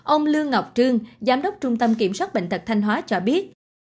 ông lương ngọc trương giám đốc trung tâm kiểm soát bệnh tật thanh hóa cho biết